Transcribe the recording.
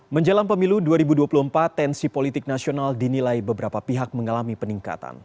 menjelang pemilu dua ribu dua puluh empat tensi politik nasional dinilai beberapa pihak mengalami peningkatan